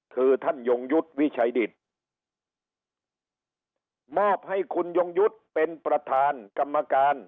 คือท่านยงยุทธ์วิชัยดิตมอบให้คุณยงยุทธ์เป็นประธานกรรมการ